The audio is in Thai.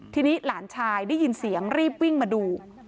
ทีนี้หลานชายได้ยินเสียงรีบวิ่งมาดู